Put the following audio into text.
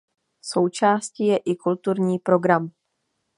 Součástí je i kulturní program.